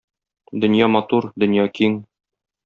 Дөнья матур, дөнья киң.